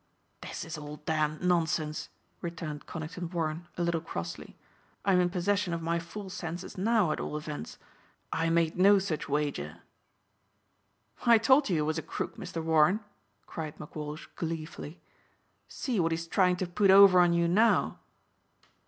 "This is all damned nonsense," returned Conington Warren a little crossly, "I'm in possession of my full senses now at all events. I made no such wager." "I told you he was a crook, Mr. Warren," cried McWalsh gleefully. "See what he's trying to put over on you now!"